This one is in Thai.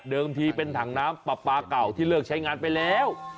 ทีเป็นถังน้ำปลาปลาเก่าที่เลิกใช้งานไปแล้ว